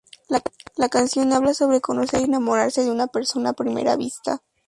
La canción habla sobre conocer y enamorarse de una persona a primera vista.